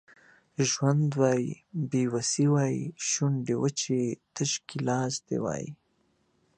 ژوند وای بې وسي وای شونډې وچې تش ګیلاس دي وای